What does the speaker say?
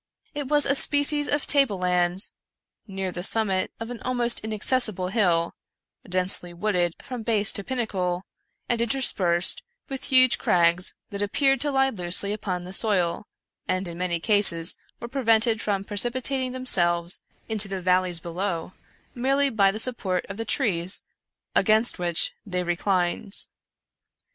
It was a species of table land, near the summit of an almost inaccessible hill, densely wooded from base to pinnacle, and interspersed with huge crags that appeared to lie loosely upon the soil, and in many cases were prevented from precipitating themselves into the valleys below, merely by the support of the trees against which they reclined.